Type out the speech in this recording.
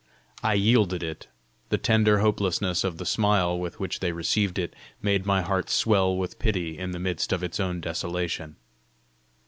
I yielded it; the tender hopelessness of the smile with which they received it, made my heart swell with pity in the midst of its own desolation.